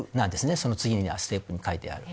その次のステップに書いてある。